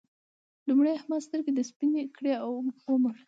لومړی احمد سترګې سپينې کړې او ومړ.